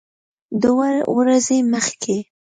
دوه ورځې مخکې